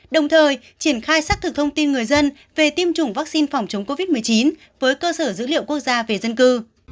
đồng thời triển khai xác thực thông tin người dân về tiêm chủng vaccine phòng chống covid một mươi chín với cơ sở dữ liệu quốc gia về dân cư